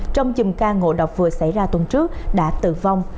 trong chùm ca ngộ độc vừa xảy ra tuần trước đã tử vong